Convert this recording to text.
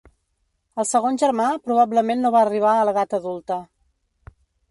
El segon germà probablement no va arribar a l'edat adulta.